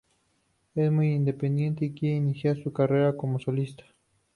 Es muy independiente y quiere iniciar su carrera como solista.